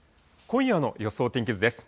今夜の予想天気図です。